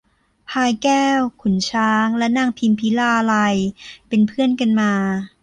พลายแก้ว ขุนช้าง และนางพิมพิลาไลยเป็นเพื่อนกันมา